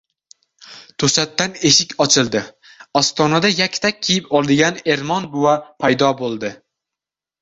To‘satdan eshik ochildi. Ostonada yaktak kiyib olgan Ermon buva paydo bo‘ldi.